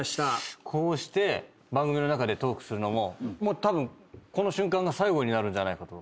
こうして番組の中でトークするのもたぶんこの瞬間が最後になるんじゃないかと。